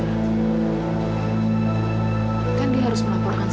tapi ini ada apa sih oma kok banyak wartawan